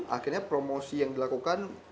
akhirnya promosi yang dilakukan